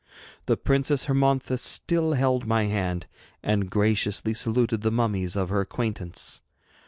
The Princess Hermonthis still held my hand, and graciously saluted the mummies of her acquaintance.